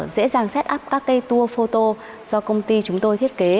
dễ dàng set up các cây tour photo do công ty chúng tôi thiết kế